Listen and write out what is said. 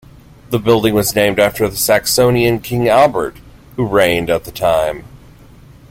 The building was named after the Saxonian King Albert who reigned at the time.